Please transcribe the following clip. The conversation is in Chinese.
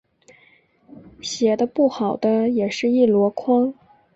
写的不好的也是一箩筐